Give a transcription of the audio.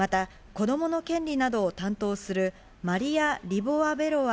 子供の権利などを担当するマリア・リボワベロワ